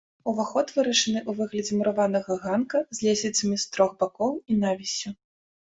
Уваход вырашаны ў выглядзе мураванага ганка з лесвіцамі з трох бакоў і навіссю.